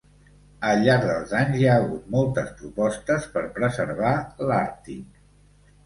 Al llarg dels anys, hi ha hagut moltes propostes per preservar l'Àrtic.